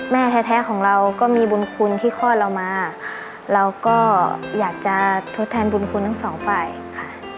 แม่แท้ของเราก็มีบุญคุณที่คลอดเรามาเราก็อยากจะทดแทนบุญคุณทั้งสองฝ่ายค่ะ